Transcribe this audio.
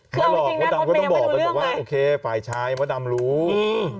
คือใครเนี้ยก็ต้องบอกไปว่าโอเคฝ่ายชายว่าดำรู้อืม